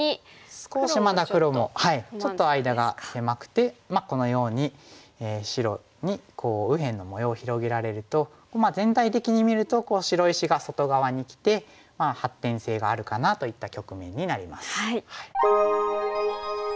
少しまだ黒もちょっと間が狭くてこのように白に右辺の模様を広げられると全体的に見ると白石が外側にきて発展性があるかなといった局面になります。